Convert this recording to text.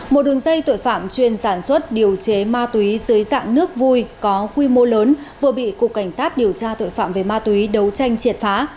một đường dây tội phạm chuyên sản xuất điều chế ma túy dưới dạng nước vui có quy mô lớn vừa bị cục cảnh sát điều tra tội phạm về ma túy đấu tranh triệt phá